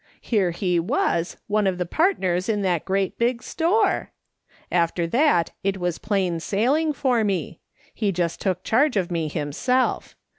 Here he was, one of the partners in that great big store ! After that it was plain sailing for me. He just took charge of me himself.